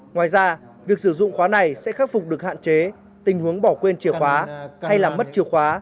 ngoài ra việc sử dụng khóa này sẽ khắc phục được hạn chế tình huống bỏ quên chìa khóa hay làm mất chìa khóa